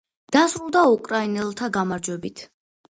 დასრულდა უკრაინელთა გამარჯვებით.